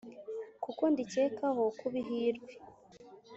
kuko ndikekaho kuba ihirwe